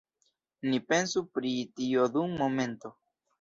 Ni pensu pri tio dum momento.